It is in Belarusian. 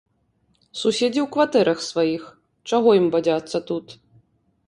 Суседзі ў кватэрах сваіх, чаго ім бадзяцца тут.